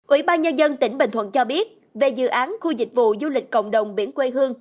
ubnd tỉnh bình thuận cho biết về dự án khu dịch vụ du lịch cộng đồng biển quê hương